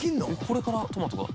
これからトマトが。